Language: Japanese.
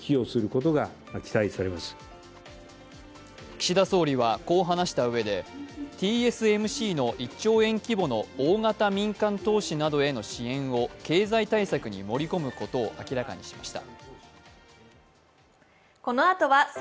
岸田総理はこう話したうえでＴＳＭＣの１兆円規模の大型民間投資などへの支援を経済対策に盛り込むことを明らかにしました。